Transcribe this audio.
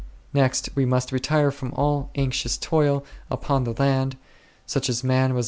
Next, we must retire from all anxious toil upon the land, such as man was 7 Rom.